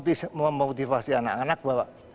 pada saat itu saya memotivasi anak anak bahwa